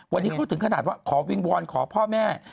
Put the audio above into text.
วันนี้เขาถึงขนาดว่าขอวิงวอนขอพ่อแม่